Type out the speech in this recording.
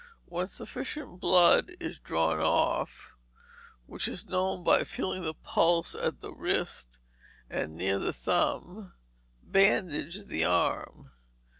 When sufficient blood is drawn off, which is known by feeling the pulse at the wrist, and near the thumb, bandage the arm.